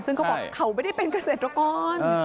ซึ่งเขาบอกเขาไม่ได้เป็นเกษตรกร